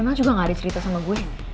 emang juga gak ada cerita sama gue